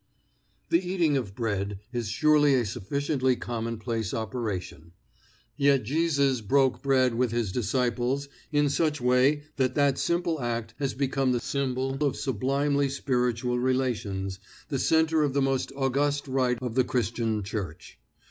The eating of bread is surely a sufficiently commonplace operation. Yet Jesus brake bread with his disciples in such way that that simple act has become the symbol of sublimely spiritual relations, the centre of the most august rite of the Christian Church.